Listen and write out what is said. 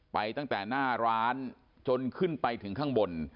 ไปตั้งแต่หน้าร้านจนขึ้นไปถึงข้างบน